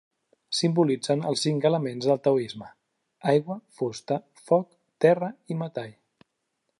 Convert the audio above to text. Simbolitzen els cinc elements del taoisme: aigua, fusta, foc, terra i metall.